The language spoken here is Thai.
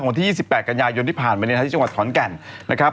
วันที่๒๘กันยายนที่ผ่านมาเนี่ยนะฮะที่จังหวัดขอนแก่นนะครับ